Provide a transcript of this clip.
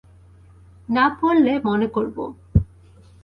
না বললে মনে করব।